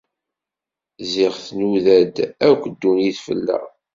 Ziɣ tnuda-d akk ddunit fell-aɣ.